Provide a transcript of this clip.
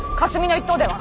一党では？